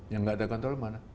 yang nggak ada kontrol mana